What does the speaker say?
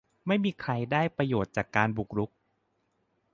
ไม่มีใครได้ประโยชน์จากการบุกรุก